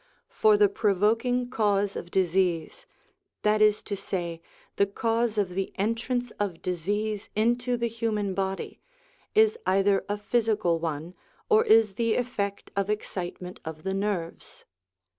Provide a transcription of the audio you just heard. For the provoking cause of disease that is to say, the cause of the entrance of disease into the human body is either a physical one or is the effect of excite ment of the nerves.